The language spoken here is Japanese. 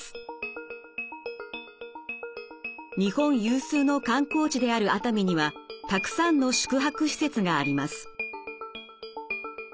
日本有数の観光地である熱海にはたくさんの宿泊施設があります。